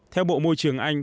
theo bộ môi trường anh